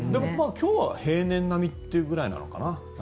今日は平年並みというぐらいかな。